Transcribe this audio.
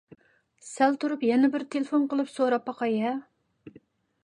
سەل تۇرۇپ يەنە بىر تېلېفون قىلىپ سوراپ باقاي-ھە.